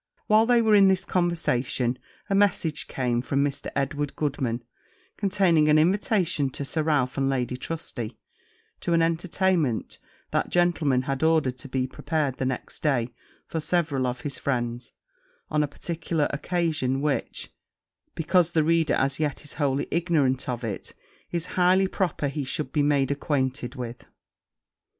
While they were in this conversation, a message came from Mr. Edward Goodman, containing an invitation to Sir Ralph and Lady Trusty, to an entertainment that gentleman had ordered to be prepared the next day for several of his friends, on a particular occasion; which, because the reader as yet is wholly ignorant of, it is highly proper he should be made acquainted with.